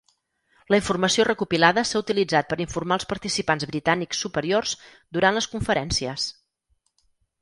La informació recopilada s'ha utilitzat per informar els participants britànics superiors durant les conferències.